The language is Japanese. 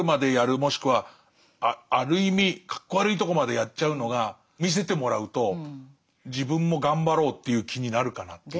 もしくはある意味かっこ悪いとこまでやっちゃうのが見せてもらうと自分も頑張ろうっていう気になるかなっていう。